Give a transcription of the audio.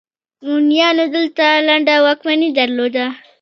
موریانو دلته لنډه واکمني درلوده